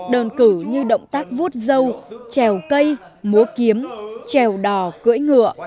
đơn cử như động tác vút dâu trèo cây múa kiếm trèo đò cưỡi ngựa